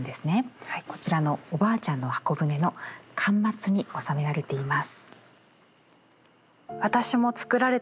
こちらの「おばあちゃんのはこぶね」の巻末に収められています。